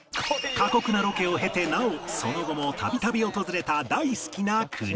過酷なロケを経てなおその後も度々訪れた大好きな国